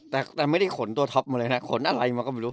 แต่ไม่ได้ขนตัวท็อปมาเลยนะขนอะไรมาก็ไม่รู้